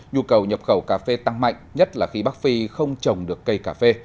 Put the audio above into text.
nhu cầu nhập khẩu cà phê tăng mạnh nhất là khi bắc phi không trồng được cây cà phê